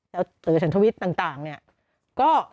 แซวเต๋วชันทวิตต่างเนี่ย